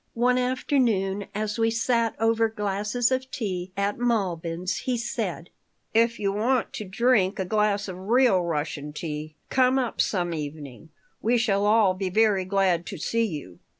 One afternoon as we sat over glasses of tea at Malbin's he said: "If you want to drink a glass of real Russian tea, come up some evening. We shall all be very glad to see you."